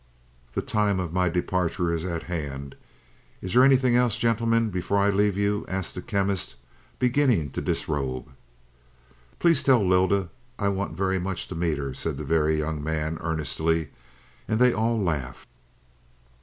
"The time of my departure is at hand. Is there anything else, gentlemen, before I leave you?" asked the Chemist, beginning to disrobe. "Please tell Lylda I want very much to meet her," said the Very Young Man earnestly, and they all laughed.